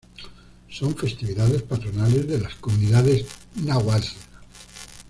Son festividades patronales de las comunidades náhuatl.